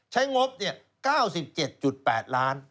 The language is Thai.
งบ๙๗๘ล้าน